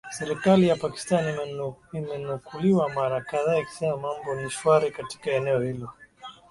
serikali ya pakistan imenukuliwa mara kadhaa ikisema mambo ni shwari katika eneo hilo